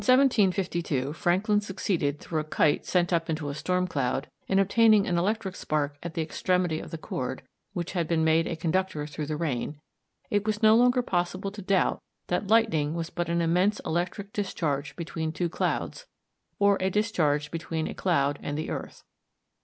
When, in 1752, Franklin succeeded, through a kite sent up into a storm cloud, in obtaining an electric spark at the extremity of the cord, which had been made a conductor through the rain, it was no longer possible to doubt that lightning was but an immense electric discharge between two clouds, or a discharge between a cloud and the earth.